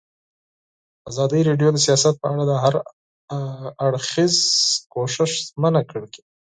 ازادي راډیو د سیاست په اړه د هر اړخیز پوښښ ژمنه کړې.